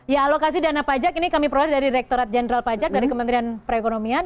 ya alokasi dana pajak ini kami peroleh dari rektorat jenderal pajak dari kementerian perekonomian